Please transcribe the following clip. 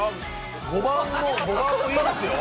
５番もいいですよ。